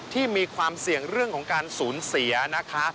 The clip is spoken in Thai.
ที่มีความเสี่ยงเรื่องของการสูญเสียนะคะ